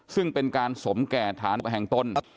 ซึ่งเป็นการสมแก่ฐานไปแห่งต้น